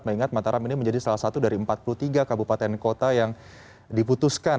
mengingat mataram ini menjadi salah satu dari empat puluh tiga kabupaten kota yang diputuskan